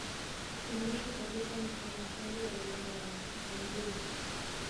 Na mwisho kabisa ni halmashauri ya wilaya ya Bumbuli